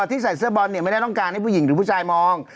ที่ใส่เสื้อบอลเนี่ยไม่ได้ต้องการให้ผู้หญิงหรือผู้ชายมอง